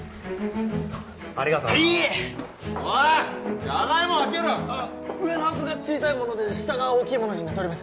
ありがとうはいおいじゃがいも分けろ上の箱が小さいもので下が大きいものになっとります